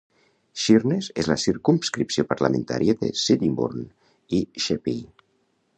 Sheerness és la circumscripció parlamentària de Sittingbourne i Sheppey.